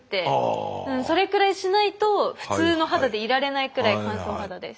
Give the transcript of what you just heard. それくらいしないと普通の肌でいられないくらい乾燥肌です。